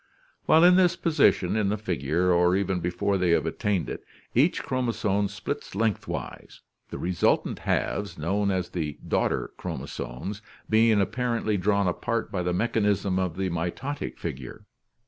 While in this position in the figure, or even before they have attained it, each chromosome splits lengthwise, the resultant halves, known as the daughter chromosomes, being apparently drawn apart by the mechanism of the mitotic figure.